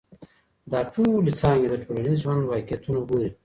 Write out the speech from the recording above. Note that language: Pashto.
دا ټولي څانګي د ټولنیز ژوند واقعیتونه ګوري.